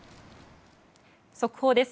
速報です。